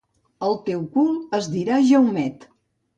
El teu cul es dirà Jaumet.